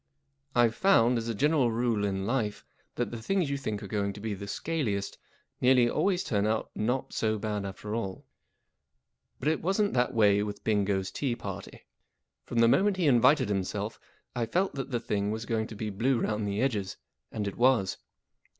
I 'VE found, as a general rule in life, that the things you think are going to be the scaliest nearly always turn out not so bad after all; but it wasn't that way with Bingo's tea party. From the moment he invited himself I felt that the thing was going to be blue round the edges, and it was.